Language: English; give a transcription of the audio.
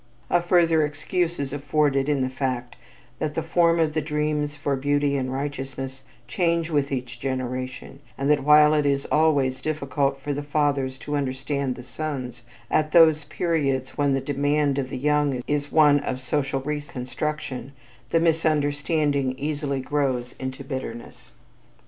A further excuse is afforded in the fact that the form of the dreams for beauty and righteousness change with each generation and that while it is always difficult for the fathers to understand the sons, at those periods when the demand of the young is one of social reconstruction, the misunderstanding easily grows into bitterness.